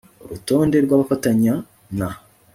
urutonde rw abafatanya na